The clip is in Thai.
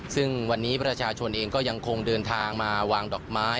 ซึ่งวันนี้ประชาชนเองก็ยังคงเดินทางมาวางดอกไม้